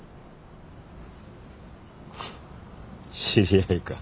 知り合いか。